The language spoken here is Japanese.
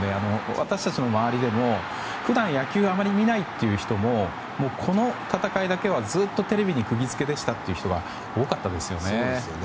私たちの周りでも、普段あまり野球を見ないという人もこの戦いだけはずっとテレビに釘付けでしたという人は多かったですよね。